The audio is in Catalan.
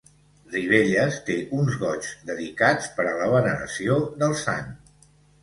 Ribelles té uns goigs dedicats per a la veneració del sant.